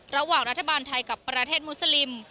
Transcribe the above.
ระหว่างรัฐบาลไทยกับประเทศมุสลิม